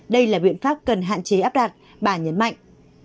đây là biện pháp cần hạn chế áp đặt bà nhấn mạnh